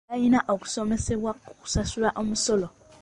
Balina okusomesebwa ku kusasula omusolo.